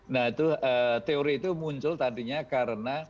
nah itu teori itu muncul tadinya karena